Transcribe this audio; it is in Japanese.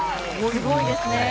すごいですね！